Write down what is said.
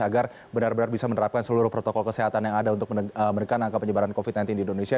agar benar benar bisa menerapkan seluruh protokol kesehatan yang ada untuk menekan angka penyebaran covid sembilan belas di indonesia